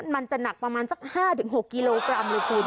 มันจะหนักประมาณซักห้าเหลือหกกิโลกรัมเลยคุณ